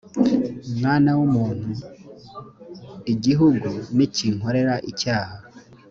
mwana w’umuntu igihugu nikinkorera icyaha